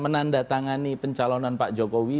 menandatangani pencalonan pak jokowi